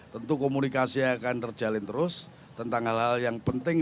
tentu komunikasi akan terjalin terus tentang hal hal yang penting